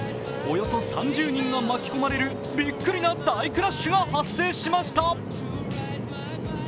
およそ３０人が巻き込まれるビックリな大クラッシュが発生しました。